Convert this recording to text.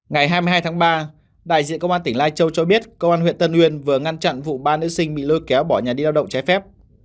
ngày hai mươi hai tháng ba đại diện công an tỉnh lai châu cho biết công an huyện tân uyên vừa ngăn chặn vụ ba nữ sinh bị lôi kéo bỏ nhà đi lao động trái phép